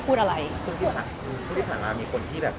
พูดที่ผ่านมามีคนที่แบบ